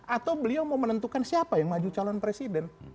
atau beliau mau menentukan siapa yang maju calon presiden